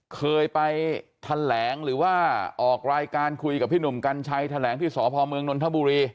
เคยไปแถลงหรือว่าออกรายการคุยกับพี่หนุ่มกัญชัยแถลงที่สพเมืองนนทบุรี